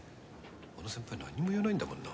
あの先輩何も言わないんだもんな。